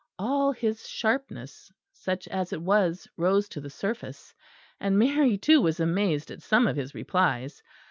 All his sharpness, such as it was, rose to the surface; and Mary too was amazed at some of his replies.